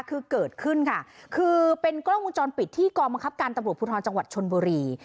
คือเกิดขึ้นค่ะคือเป็นกล้องวงจรปิดที่กองบังคับการตำรวจภูทรจังหวัดชนบุรี